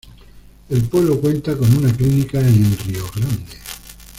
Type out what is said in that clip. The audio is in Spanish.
El pueblo cuenta con una clínica en Río Grande.